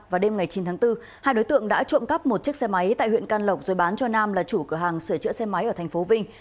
vào đêm ngày chín tháng bốn hai đối tượng đã trộm cắp một chiếc xe máy tại huyện can lộc rồi bán cho nam là chủ cửa hàng sửa chữa xe máy ở thành phố vinh